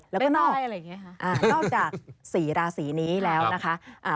แล้วก็นอกจาก๔ราศีนี้แล้วนะคะ